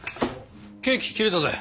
ケーキ切れたぜ。